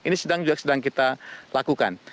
ini juga sedang kita lakukan